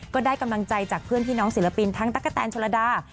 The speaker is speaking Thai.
ก็ได้กำลังใจจากเพื่อนพี่น้องศิลปินทั้งตั๊กกะแตนชนระดา